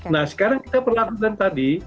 nah sekarang kita perlakukan tadi